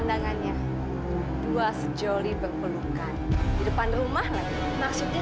dan mama freiheit sudah menaha malam juga